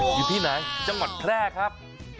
อยู่ที่ไหนจังหวัดแพร่ครับ